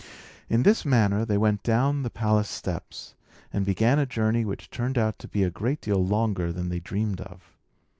In this manner they went down the palace steps, and began a journey which turned out to be a great deal longer than they dreamed of.